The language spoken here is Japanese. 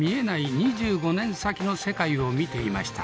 ２５年先の世界を見ていました。